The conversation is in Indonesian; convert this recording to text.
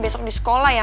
besok di sekolah ya